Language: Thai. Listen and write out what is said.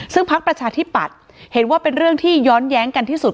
ซึ่งพักประชาธิปัตย์เห็นว่าเป็นเรื่องที่ย้อนแย้งกันที่สุด